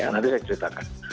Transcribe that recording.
nanti saya ceritakan